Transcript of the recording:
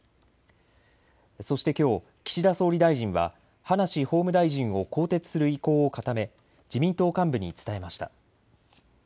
そして、きょう岸田総理大臣は葉梨法務大臣を更迭する意向を固め、自民党幹部に伝えました。